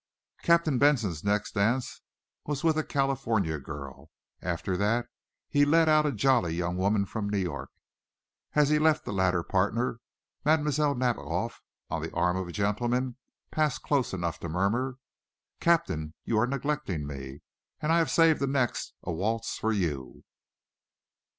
Captain Benson's next dance was with a California girl; after that he led out a jolly young woman from New York. As he left the latter partner, Mlle. Nadiboff, on the arm of a gentleman, passed close enough to murmur: "Captain, you are neglecting me and I have saved the next, a waltz, for you."